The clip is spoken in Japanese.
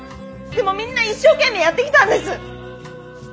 でもみんな一生懸命やってきたんです。